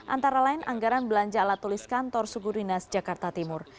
antara lain anggaran belanja alat tulis kantor suku dinas jakarta timur